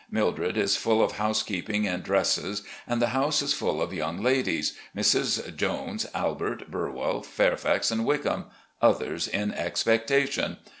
Mil dred is full of housekeeping and dresses, and the house is full of young ladies — ^Misses Jones, Albert, Burwell, Fairfax, and Wickham ; others in expectation.